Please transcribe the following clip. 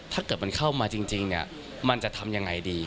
ถ้าเกิดมันเข้ามาจริงมันจะทำยังไงดี